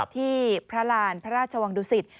ที่พระราณพระราชวังดุสิต